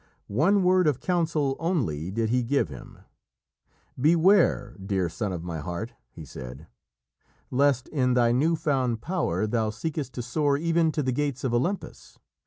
One word of counsel only did he give him. "Beware, dear son of my heart," he said, "lest in thy new found power thou seekest to soar even to the gates of Olympus.